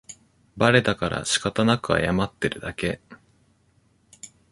バレたからしかたなく謝ってるだけ